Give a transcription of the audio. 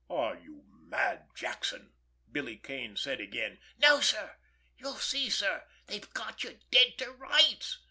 "Are you mad, Jackson!" Billy Kane said again. "No, sir—you'll see, sir—they've got you dead to rights.